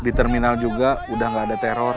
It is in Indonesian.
di terminal juga udah gak ada teror